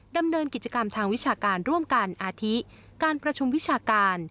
ดำเนินกิจกรรมทางวิชาการร่วมกันอาทิการประชุมวิชาการ